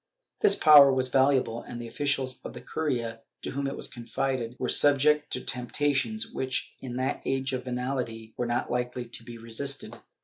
This power was valuable, and the officials of the curia, to whom it was confided, were subject to temptations which, in that age of venality, were not likely to be resisted.